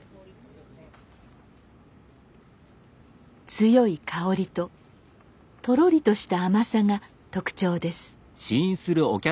強い香りととろりとした甘さが特徴です。